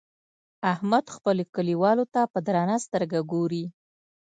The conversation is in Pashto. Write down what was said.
احمد خپلو کليوالو ته په درنه سترګه ګوري.